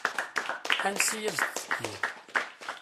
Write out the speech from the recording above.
Ansa i as-d-tekkiḍ.